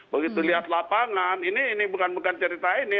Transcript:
begitu lihat lapangan ini bukan bukan cerita ini